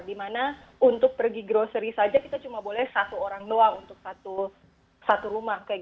dimana untuk pergi grocery saja kita cuma boleh satu orang doang untuk satu rumah